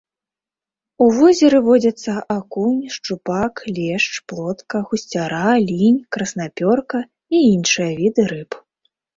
У возеры водзяцца акунь, шчупак, лешч, плотка, гусцяра, лінь, краснапёрка і іншыя віды рыб.